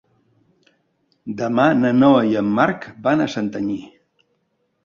Demà na Noa i en Marc van a Santanyí.